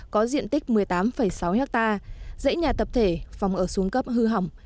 có diện tích một mươi tám sáu hectare dãy nhà tập thể phòng ở xuống cấp hư hỏng